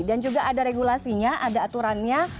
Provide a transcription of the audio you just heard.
dan juga ada regulasinya ada aturannya